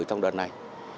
trong đợt này